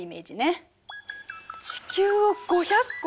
地球を５００個！